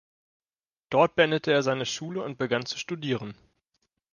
Dort beendete er seine Schule und begann zu studieren.